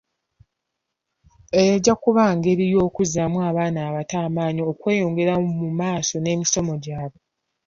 Eyo ejja kuba ngeri y'okuzaamu abaana abato amaanyi okweyongera mu maaso n'emisomo gyabwe.